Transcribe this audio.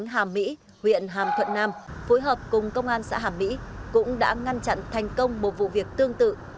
hàm mỹ huyện hàm thuận nam phối hợp cùng công an xã hàm mỹ cũng đã ngăn chặn thành công một vụ việc tương tự